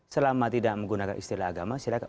selama tidak menggunakan istilah agama silahkan